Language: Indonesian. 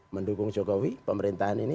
mendukung jokowi pemerintahan ini